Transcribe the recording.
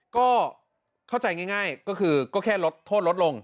ก็เข้าใจง่ายก็คือก็แค่ลดโทษลดลง